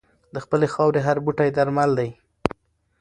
د خپلې خاورې هر بوټی درمل دی.